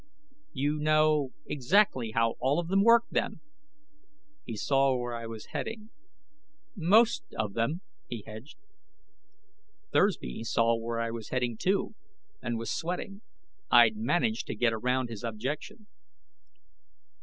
"You know exactly how all of them work, then?" He saw where I was heading. "Most of them," he hedged. Thursby saw where I was heading, too, and was sweating. I'd managed to get around his objection.